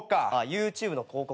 ＹｏｕＴｕｂｅの広告？